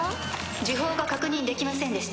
呪法が確認できませんでした